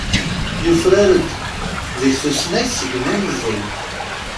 Yufrar-d deg tusnakt segmi meẓẓi.